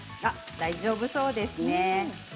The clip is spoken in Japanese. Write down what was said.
大丈夫そうですね。